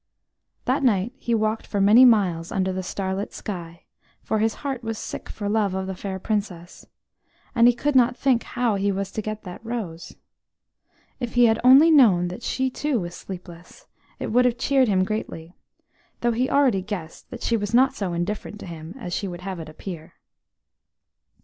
That night he walked for many miles under the starlit sky, for his heart was sick for love of the fair Princess, and he could not think how he was to get that rose. If he had only known that she too was sleepless, it would have cheered him greatly, though he already guessed that she was not so indifferent to him as she would have it appear.